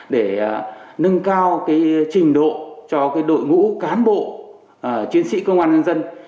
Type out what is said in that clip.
để nâng cao trình độ cho đội ngũ cán bộ chiến sĩ công an nhân dân